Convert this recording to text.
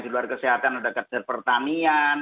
di luar kesehatan ada kader pertanian